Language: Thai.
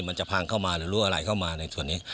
มันจะพังเข้ามาหรือรู้อะไรเข้ามาในส่วนนี้